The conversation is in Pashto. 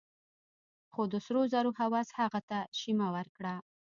خو د سرو زرو هوس هغه ته شيمه ورکړه.